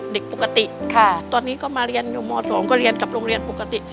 เด็กปกติค่ะตอนนี้ก็มาเรียนอยู่ม๒ก็เรียนกับโรงเรียนปกติ